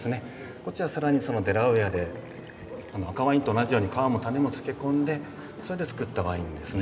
こっちは更にそのデラウェアで赤ワインと同じように皮も種もつけ込んでそれで造ったワインですね。